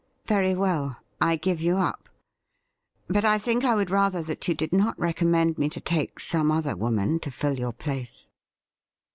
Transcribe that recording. Very well ; I give you up. But I think I would rather that you did not recommend me to take some other woman to fill your place.'